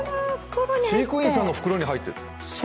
飼育員さんの袋に入ってる。